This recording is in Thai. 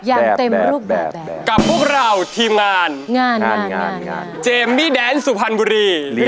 ยังเต็มรูปแบบยังเต็มรูปแบบยังเต็มรูปแบบยังเต็มรูปแบบยังเต็มรูปแบบยังเต็มรูปแบบยังเต็มรูปแบบ